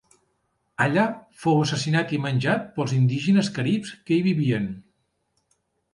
Allà fou assassinat i menjat pels indígenes caribs que hi vivien.